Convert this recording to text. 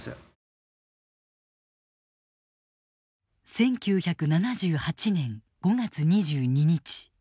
１９７８年５月２２日。